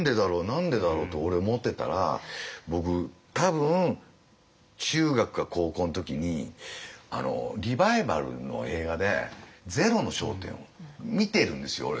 何でだろう？って俺思ってたら僕多分中学か高校の時にリバイバルの映画で「ゼロの焦点」を見てるんですよ俺。